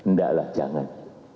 ndak lah jangan